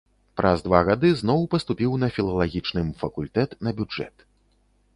Праз два гады зноў паступіў на філалагічным факультэт, на бюджэт.